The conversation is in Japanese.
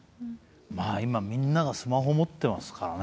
今みんながスマホ持ってますからね。